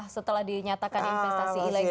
setelah dinyatakan investasi ilegal